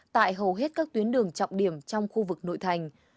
tại hầu hết các tuyến đường trọng điểm trong khu vực nội thành